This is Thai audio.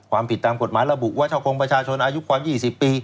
ความผิดตามกฎหมายระบุว่าช่อกงประชาชนอายุความ๒๐ปี